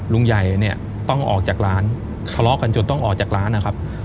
ลุงใหญ่เนี่ยต้องออกจากร้านทะเลาะกันจนต้องออกจากร้านนะครับ